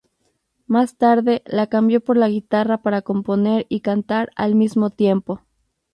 Más tarde la cambió por la guitarra para componer y cantar al mismo tiempo.